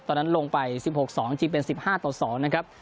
ตอนนั้นลงไปสิบหกสองจริงเป็นสิบห้าต่อสองนะครับ